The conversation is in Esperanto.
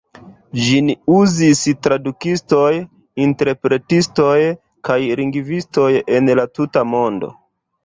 Ĝin uzis tradukistoj, interpretistoj kaj lingvistoj en la tuta mondo.